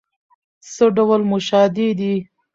څه ډول موشادې دي؟